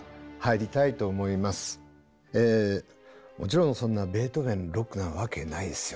もちろんそんなベートーヴェンロックなわけないですよ。